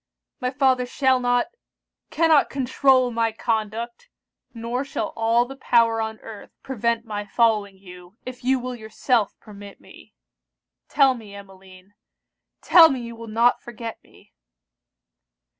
My father shall not cannot controul my conduct; nor shall all the power on earth prevent my following you, if you will yourself permit me. Tell me, Emmeline, tell me you will not forget me!'